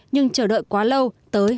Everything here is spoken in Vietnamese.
nhưng chờ đợi quá lâu tới